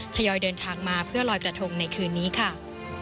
ทยอยเดินทางมาเพื่อลอยกระทงในคืนนี้ค่ะ